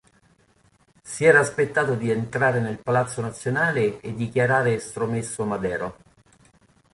Si era aspettato di entrare nel Palazzo Nazionale e dichiarare estromesso Madero.